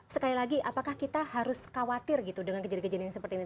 sekali lagi apakah kita harus khawatir gitu dengan kejadian kejadian yang seperti ini